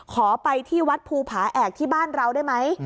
ขอไปที่วัดภูผาแอกที่บ้านเราได้ไหม